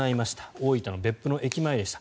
大分の別府の駅前でした。